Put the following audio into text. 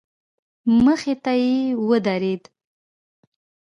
مخې ته يې ودرېد.